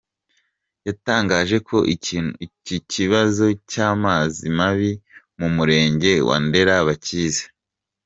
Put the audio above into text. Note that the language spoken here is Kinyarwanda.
com yatangaje ko iki kibazo cy’amazi mabi mu Murenge wa Ndera bakizi.